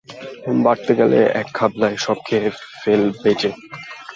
বাটতে দিলে এক খাবলায় সব খেয়ে ফেলবে যে!